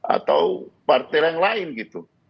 atau partai yang lain gitu